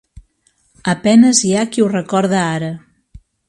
A penes hi ha qui ho recorde ara.